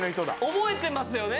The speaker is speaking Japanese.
覚えてますよね？